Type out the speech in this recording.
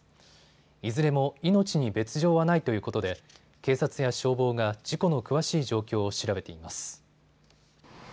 いずれも命に別状はないということで警察や消防が事故の詳しい状況を調べています。